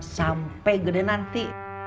sampai gede nanti